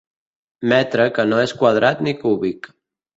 Metre que no és quadrat ni cúbic.